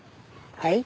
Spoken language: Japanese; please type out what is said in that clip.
はい？